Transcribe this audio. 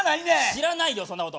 知らないよそんなこと。